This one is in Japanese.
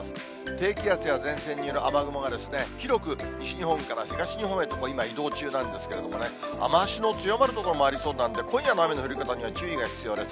低気圧や前線による雨雲が、広く西日本から東日本へと今移動中なんですけれどもね、雨足の強まる所もありそうなんで、今夜の雨の降り方には注意が必要です。